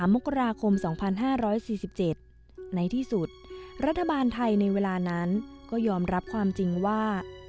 มกราคม๒๕๔๗ในที่สุดรัฐบาลไทยในเวลานั้นก็ยอมรับความจริงว่า